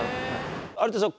有田さん